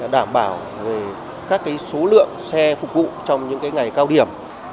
đảm bảo về các số lượng xe phục vụ trong những ngày khác